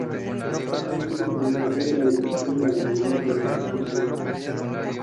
Domina la pradera con huizache, mimosa, nopal y mezquite.